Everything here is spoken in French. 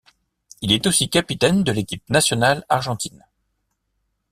Il est aussi capitaine de l'équipe nationale argentine.